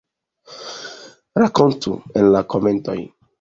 Rakontu en la komentoj!